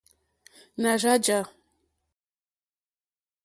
Nà rzá jǎ.